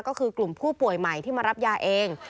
ก็คือกลุ่มผู้ป่วยใหม่ที่มารับยาเอง